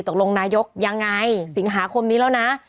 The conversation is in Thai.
ตกลงนายกยังไงสิงหาคมนี้แล้วนะ